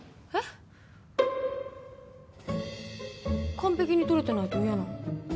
完璧に取れてないと嫌なの。